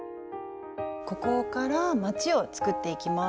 ここからまちを作っていきます。